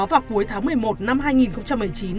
vào cuối tháng một mươi một năm hai nghìn một mươi chín